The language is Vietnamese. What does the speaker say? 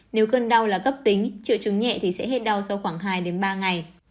nếu cơn đau là cấp tính chịu trứng nhẹ thì sẽ hết đau sau khoảng hai ba ngày